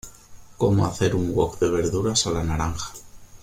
Como hacer un Wok de verduras a la naranja